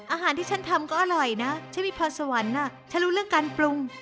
อาหารที่ฉันทำก็อร่อยนะฉันมีพรสวรรค์ฉันรู้เรื่องการปรุง